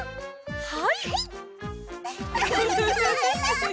はい。